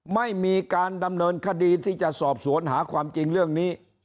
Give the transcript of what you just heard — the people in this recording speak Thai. ไม่มีการดำเนินคดีที่จะสอบสวนหาความจริงเรื่องนี้